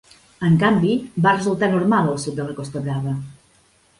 En canvi, va resultar normal al sud de la Costa Brava.